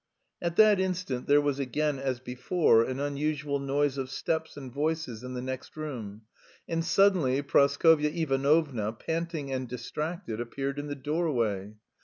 At that instant there was again, as before, an unusual noise of steps and voices in the next room, and suddenly Praskovya Ivanovna, panting and "distracted," appeared in the doorway.